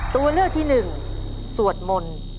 ตัวเลือกที่หนึ่งสวดมนต์